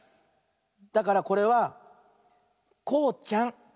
だからこれは「こうちゃん」。